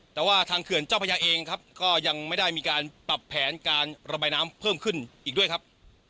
แต่ว่าทางเขื่อนเจ้าพระยาเองครับก็ยังไม่ได้มีการปรับแผนการระบายน้ำเพิ่มขึ้นอีกด้วยครับ